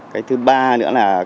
cái thứ ba nữa là